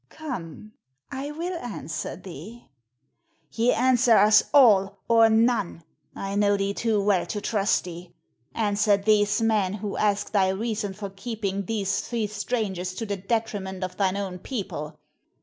Come, I will answer thee." "Ye answer us all, or none. I know thee too well to trust thee. Answer these men, who ask thy reason for keeping these three strangers to the detriment of thine own people.